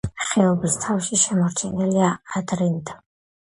ხეობის თავში შემორჩენილია ადრინდ.